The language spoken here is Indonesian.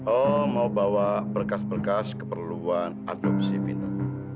oh mau bawa berkas berkas keperluan adopsi final